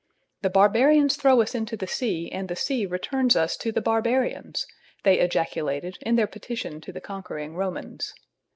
"The barbarians throw us into the sea and the sea returns us to the barbarians," they ejaculated in their petition to the conquering Romans.